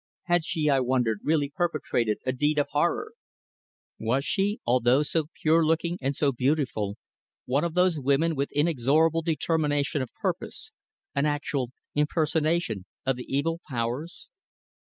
Had she, I wondered, really perpetrated a deed of horror? Was she, although so pure looking and so beautiful, one of those women with inexorable determination of purpose, an actual impersonation of the evil powers?